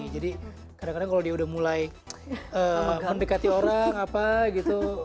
jadi kadang kadang kalau dia udah mulai mendekati orang apa gitu